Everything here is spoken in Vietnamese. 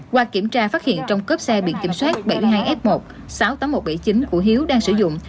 qua kiểm tra phát hiện trong cốp xe biển kiểm soát bảy mươi hai f một sáu mươi tám nghìn một trăm bảy mươi chín của hiếu đang sử dụng